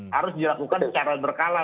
harus dilakukan secara berkala